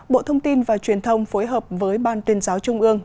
bộ thông tin và truyền thông phối hợp với ban tuyên giáo trung ương